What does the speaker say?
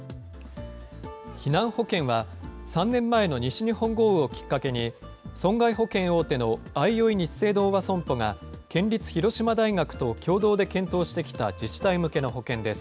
避難保険は、３年前の西日本豪雨をきっかけに、損害保険大手のあいおいニッセイ同和損保が県立広島大学と共同で検討してきた自治体向けの保険です。